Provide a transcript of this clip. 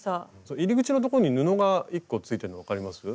入り口のとこに布が１個ついてるの分かります？